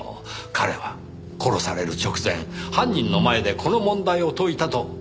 彼は殺される直前犯人の前でこの問題を解いたと考えられます。